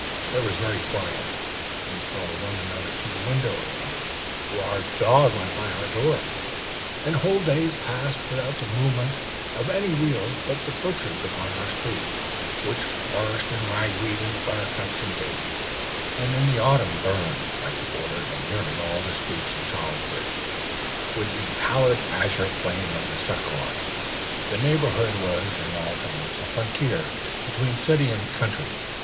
It was very quiet; we called one another to the window if a large dog went by our door; and whole days passed without the movement of any wheels but the butcher's upon our street, which flourished in ragweed and buttercups and daisies, and in the autumn burned, like the borders of nearly all the streets in Charlesbridge, with the pallid azure flame of the succory. The neighborhood was in all things a frontier between city and country.